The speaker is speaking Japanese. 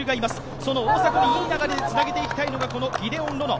その大迫にいろいろ流れでつなげていきたいのがロノ。